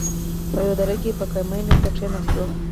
په يوه دره کښې په کمين ورته کښېناستو.